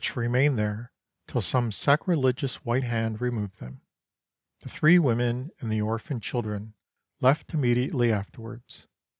remained there till some sacrilegious white haud removed them. The three women and the orphan children left immediately after wards.